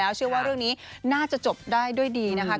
เชื่อว่าเรื่องนี้น่าจะจบได้ด้วยดีนะคะ